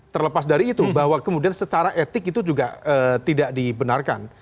terlepas dari itu bahwa kemudian secara etik itu juga tidak dibenarkan